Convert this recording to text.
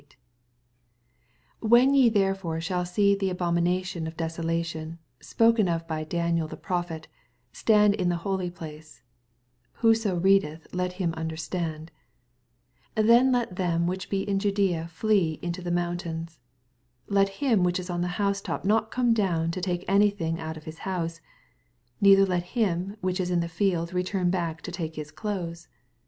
15 When ye therefore shall see the abommation of desol&tioDi spoken of by Daniel the prophet, stand in the holy place, ^whoso readeth, let him nnaerstana :) 16 Then let them which be in Judaea flee into the moontaina: 17 Let him which ia on the honae top not come down to take any thing out of his honse. 18 Neither let him which is in the field retam back to take his clothes.